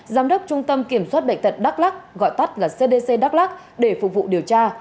giám đốc trung tâm kiểm soát bệnh tật đắk lắc gọi tắt là cdc đắk lắc để phục vụ điều tra